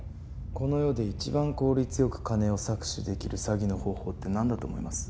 この世で一番効率良く金を搾取できる詐欺の方法ってなんだと思います？